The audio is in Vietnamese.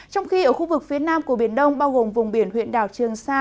trong khi ở khu vực phía nam của biển đông bao gồm vùng biển huyện đảo trường sa